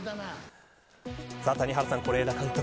谷原さん、是枝監督